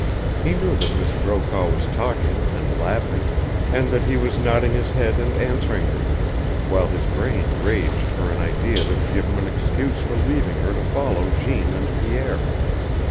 He knew that Miss Brokaw was talking and laughing, and that he was nodding his head and answering her, while his brain raged for an idea that would give him an excuse for leaving her to follow Jeanne and Pierre.